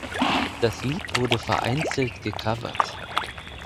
Das Lied wurde vereinzelt gecovert.